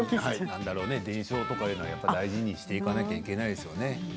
伝統というのは大事にしていかなくてはいけないですよね。